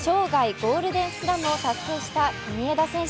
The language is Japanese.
ゴールデンスラムを達成した国枝選手。